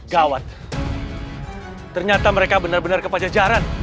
gawat ternyata mereka benar benar ke pajajaran